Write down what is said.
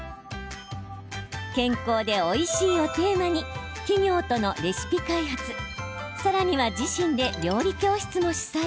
健康でおいしいをテーマに企業とのレシピ開発さらには、自身で料理教室も主催。